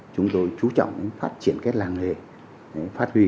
chúng tôi chú trọng phát triển cái làng hề